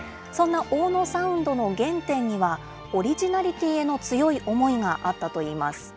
そんな大野サウンドの原点には、オリジナリティへの強い思いがあったといいます。